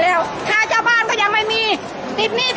อาหรับเชี่ยวจามันไม่มีควรหยุด